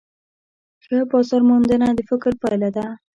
ښه بازارموندنه د فکر پایله ده.